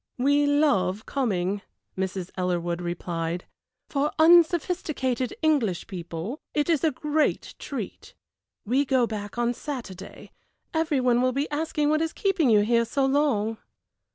"We love coming," Mrs. Ellerwood replied. "For unsophisticated English people it is a great treat. We go back on Saturday every one will be asking what is keeping you here so long."